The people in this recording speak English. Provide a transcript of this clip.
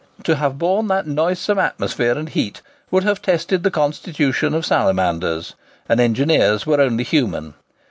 To have borne that noisome atmosphere and heat would have tested the constitutions of salamanders, and engineers were only human.